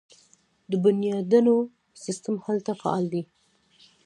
د بنیادونو سیستم هلته فعال دی.